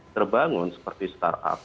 terbangun seperti startup